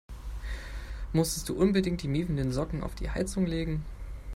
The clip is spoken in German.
Musstest du unbedingt die miefenden Socken auf die Heizung legen?